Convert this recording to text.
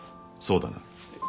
そうだな？